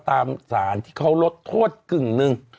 ตามสารที่เขาลดโทษกึ่งหนึ่ง